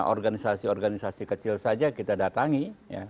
organisasi organisasi kecil saja kita datangi